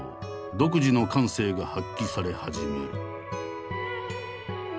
独自の感性が発揮され始める。